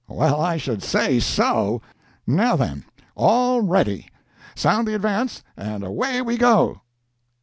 Well, I should say so! Now then—all ready—sound the advance, and away we go!"